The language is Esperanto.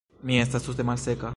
Mi estas tute malseka.